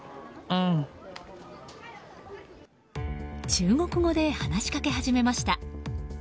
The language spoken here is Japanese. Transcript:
中国語で話しかけ始めました。